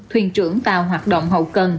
thuyền trưởng tàu hoạt động hậu cần